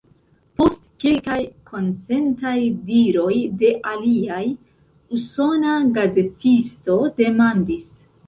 Post kelkaj konsentaj diroj de aliaj, usona gazetisto demandis: